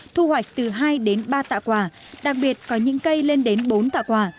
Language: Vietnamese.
thu hoạch từ hai đến ba tạ quả đặc biệt có những cây lên đến bốn tạ quả